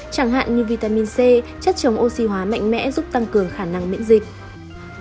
chẳng hạn như vitamin c chất chống oxy hóa mạnh mẽ giúp tăng cường khả năng miễn dịch